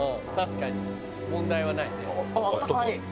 「確かに問題はないね」